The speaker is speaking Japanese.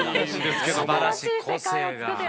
すばらしい個性が。